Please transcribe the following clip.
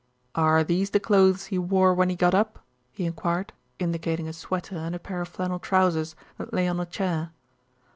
"Are these the clothes he wore when he got up?" he enquired, indicating a sweater and a pair of flannel trousers that lay on a chair.